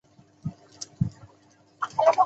鲁比内亚是巴西圣保罗州的一个市镇。